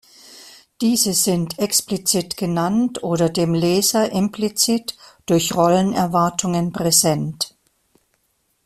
Diese sind explizit genannt oder dem Leser implizit durch Rollenerwartungen präsent.